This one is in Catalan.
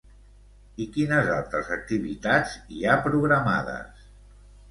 I quines altres activitats hi ha programades?